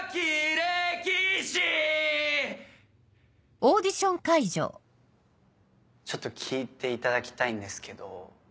歴史ちょっと聞いていただきたいんですけど。